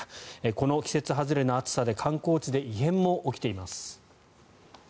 この季節外れの暑さで観光地で異変も起きています。